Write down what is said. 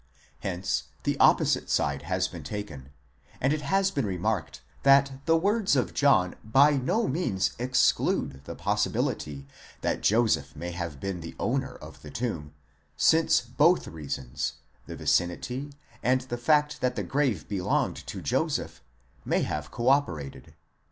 Hence the oppo site side has been taken, and it has been remarked that the words of John by no means exclude the possibility that Joseph may have been the owner of the tomb, since both reasons—the vicinity, and the fact that the grave belonged to Joseph—may have co operated.